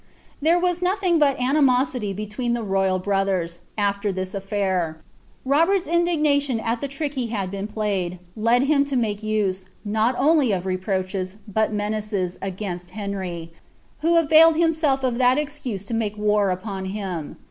"* There was nothing but animosity between the royal brothers, after this a&ir. Robert's indignation at the trick he had been played, led him to make use, not only of reproaches, but menaces, against Henry, who availed himself of that excuse to make war upon him.